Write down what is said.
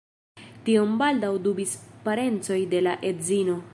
Tion baldaŭ dubis parencoj de la edzino.